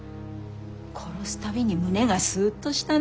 殺す度に胸がスッとしたね。